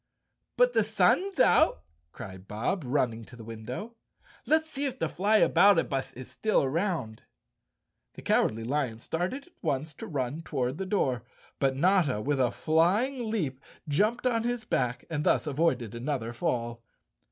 "But the sun's out," cried Bob, running to the win¬ dow. "Let's see if the Flyaboutabus is still around." The Cowardly Lion started at once to run toward the door, but Notta, with a flying leap jumped on his back and thus avoided another fall.